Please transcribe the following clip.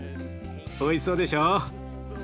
おいしそうでしょう？